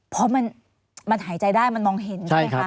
เพราะมันหายใจได้มันมองเห็นใช่ไหมคะ